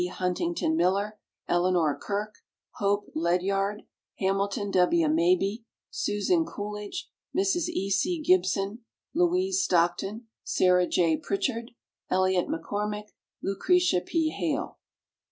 HUNTINGTON MILLER, ELEANOR KIRK, HOPE LEDYARD, HAMILTON W. MABIE, SUSAN COOLIDGE, Mrs. E. C. GIBSON, LOUISE STOCKTON, SARAH J. PRICHARD, ELIOT MCCORMICK, LUCRETIA P. HALE.